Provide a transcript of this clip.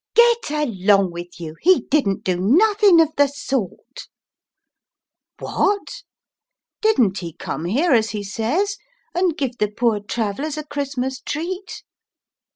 '" "Get along with you! he didn't do nothing of the sort." "What! didn't he come here, as he says, and give the poor Travellers a Christmas treat?"